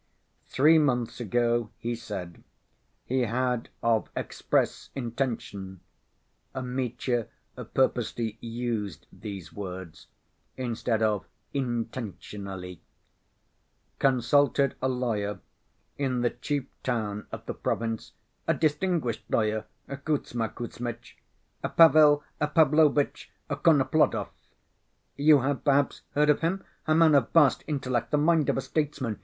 Three months ago, he said, he had of express intention (Mitya purposely used these words instead of "intentionally") consulted a lawyer in the chief town of the province, "a distinguished lawyer, Kuzma Kuzmitch, Pavel Pavlovitch Korneplodov. You have perhaps heard of him? A man of vast intellect, the mind of a statesman